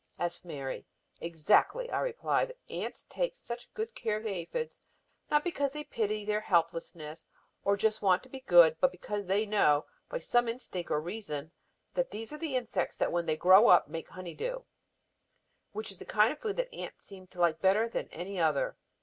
asks Mary. "Exactly," I reply. "The ants take such good care of the aphids not because they pity their helplessness or just want to be good, but because they know, by some instinct or reason, that these are the insects that, when they grow up, make honey dew, which is the kind of food that ants seem to like better than any other.